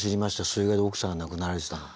水害で奥さんが亡くなられてたの。